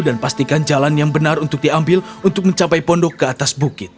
dan pastikan jalan yang benar untuk diambil untuk mencapai pondok ke atas bukit